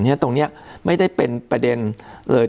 ฉะตรงนี้ไม่ได้เป็นประเด็นเลย